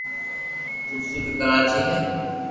تلسي بي ڪراچي ھي